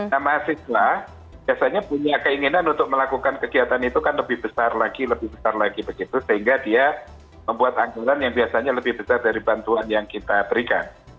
nah mahasiswa biasanya punya keinginan untuk melakukan kegiatan itu kan lebih besar lagi lebih besar lagi begitu sehingga dia membuat anggaran yang biasanya lebih besar dari bantuan yang kita berikan